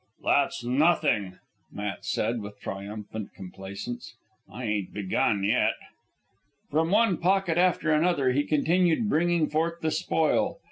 "That's nothing," Matt said with triumphant complacence. "I ain't begun yet." From one pocket after another he continued bringing forth the spoil.